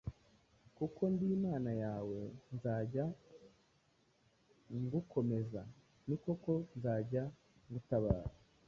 kuko ndi Imana yawe; nzajya ngukomeza, ni koko nzajya ngutabara;